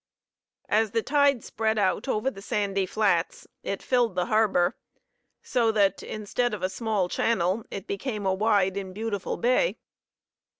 As the tide spread out over the sandy flats it filled the harbor so that, instead of a small channel, it became a wide and beautiful bay.